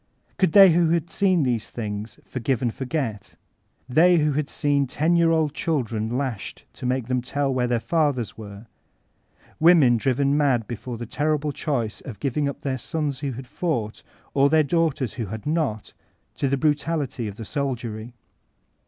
Could they who had seen these thmgs ''forgive and forget"? They who had seen ten year old children lasbed to make them tell where their fathers were? Women driven mad before the terrible choice of giving 248 VOLTAIXINB DB CLEntB vp tbdr sons who had fought, or thdr daogfaten wbo' had not, to the brutality of the soldiery.